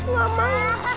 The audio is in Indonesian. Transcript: gak mau enggak